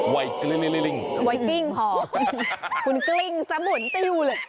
ไวกลิ่งรึยิ่งรึยิ่งพอคุณกลิ่งสบุนตียู่อยู่เลย